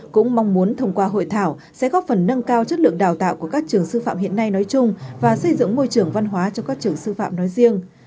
cũng mong muốn thông qua hội thảo sẽ góp phần nâng cao chất lượng đào tạo của các trường sư phạm hiện nay nói chung và xây dựng môi trường văn hóa cho các trường sư phạm nói riêng